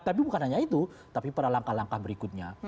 tapi bukan hanya itu tapi pada langkah langkah berikutnya